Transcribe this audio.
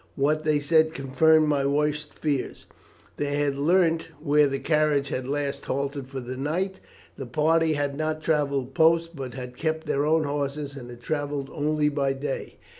What they said confirmed my worst fears. They had learnt where the carriage had last halted for the night. The party had not travelled post, but had kept their own horses and had travelled only by day.